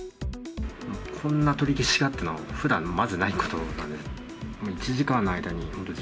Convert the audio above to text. こんな取り消しがあったのは、ふだん、まずないことなんです。